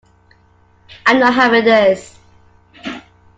I'm not having this.